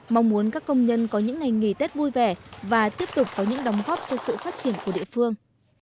mong muốn các công nhân có những ngày nghỉ tết vui vẻ và tiếp tục có những đóng góp cho sự phát triển của địa phương